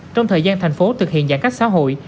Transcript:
trong thời gian thành phố thực hiện giãn cách xã hội